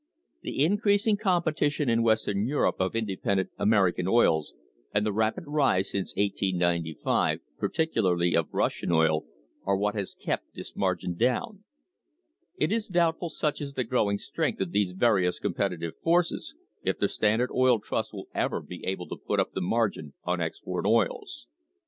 The increasing competition in Western Europe of independent American oils, and the rapid rise since 1895, particularly of Russian THE HISTORY OF THE STANDARD OIL COMPANY oil, are what has kept this margin down. It is doubtful, such is the growing strength of these various competitive forces, if the Standard Oil Trust will ever be able to put up the margin on export oils.